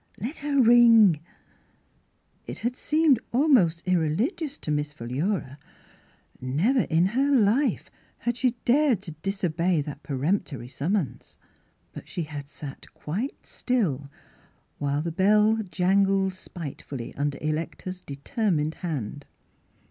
Let her ring !" It had seemed almost irreligious to Miss Mdss Philura^s Wedding Gown Philura. Never in her life had she dared to disobey that peremptory summons. But she had sat quite still while the bell jangled spitefully under Electa's deter mined hand.